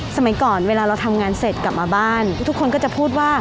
สมัยก่อนเวลาเราทำงานเสร็จกลับมาบ้านทุกคนก็จะพูดว่า